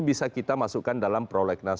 bisa kita masukkan dalam prolegnas